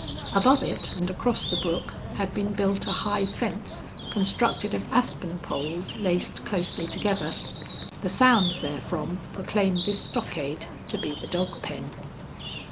Above it, and across the brook, had been built a high fence constructed of aspen poles laced closely together. The sounds therefrom proclaimed this stockade to be the dog pen.